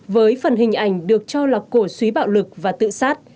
với phần hình ảnh được cho là cổ suý bạo lực và tự sát